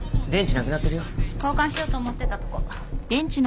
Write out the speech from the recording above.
交換しようと思ってたとこ。